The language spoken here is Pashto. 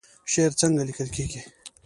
شعر څنګه لیکل کیږي؟